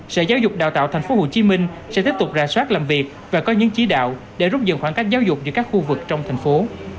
sở giáo dục đào tạo tp hcm sẽ tiếp tục rà soát làm việc và có những chỉ đạo để rút dần khoảng cách giáo dục giữa các khu vực trong thành phố